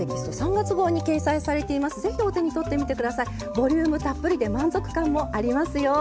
ボリュームたっぷりで満足感もありますよ。